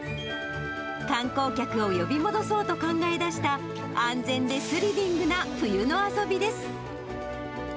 観光客を呼び戻そうと考え出した安全でスリリングな冬の遊びです。